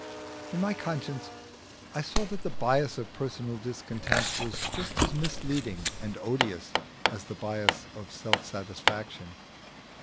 In my conscience I saw that the bias of personal discontent was just as misleading and odious as the bias of self satisfaction.